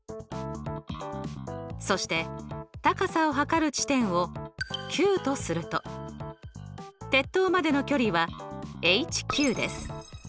そして高さを測る地点をＱとすると鉄塔までの距離はＨＱです。